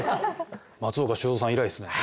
松岡修造さん以来っすね。